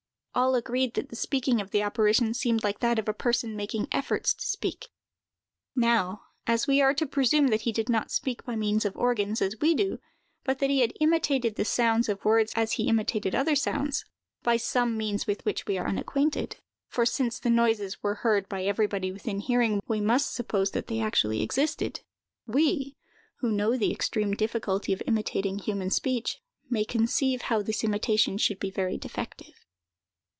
All agreed that the speaking of the apparition seemed like that of a person making efforts to speak. Now, as we are to presume that he did not speak by means of organs, as we do, but that he imitated the sounds of words as he imitated other sounds, by some means with which we are unacquainted—for since the noises were heard by everybody within hearing, we must suppose that they actually existed—we, who know the extreme difficulty of imitating human speech, may conceive how this imitation should be very defective.